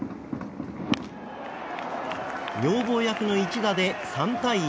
女房役の一打で３対１。